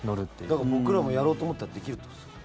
だから僕らもやろうと思ったらできるってことです。